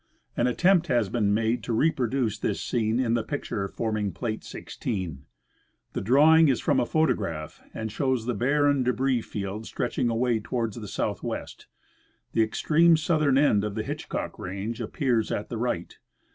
An attempt has been made to re produce this scene in the picture forming plate 16. The drawing is from a photograph and shows the barren debris field stretch ing away towards the southwest. The extreme southern end of the Hitchcock range appears at the right.